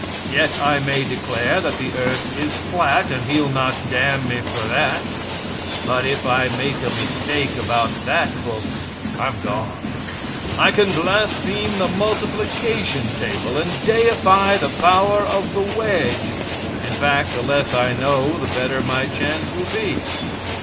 Yet I may declare that the earth is flat, and he'll not damn me for that. But if I make a mistake about that book I'm gone. I can blaspheme the multiplication table and deify the power of the wedge in fact, the less I know the better my chance will be.